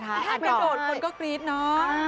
ถ้ากระโดดคนก็กรี๊ดเนาะ